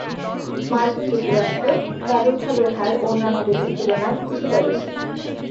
মার্কিন যুক্তরাষ্ট্রে প্রাদুর্ভাবের হার অন্যান্য দেশের তুলনায় কিছুটা বেশি।